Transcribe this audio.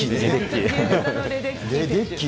レデッキー。